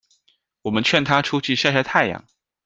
我们劝她出去晒晒太阳